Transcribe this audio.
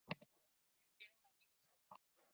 Bihar tiene una rica historia.